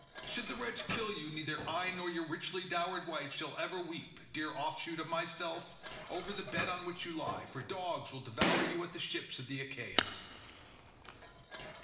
Should the wretch kill you, neither I nor your richly dowered wife shall ever weep, dear offshoot of myself, over the bed on which you lie, for dogs will devour you at the ships of the Achaeans."